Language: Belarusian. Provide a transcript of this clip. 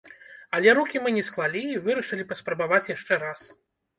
Але рукі мы не склалі і вырашылі паспрабаваць яшчэ раз.